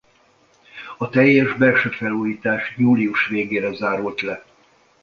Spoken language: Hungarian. A teljes belső felújítás július végére zárult le.